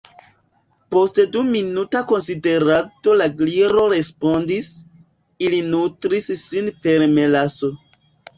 Post du minuta konsiderado la Gliro respondis: "Ili nutris sin per melaso."